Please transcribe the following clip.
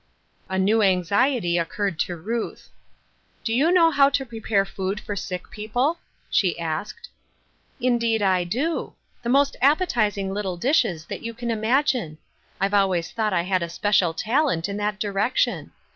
A new anxiety occurred to Ruth. " Do you know how to prepare food for sick people ?" she asked. " Indeed I do ! The most appetizing little dishes that you can imagine. I've always thought I had a special talent in that direction.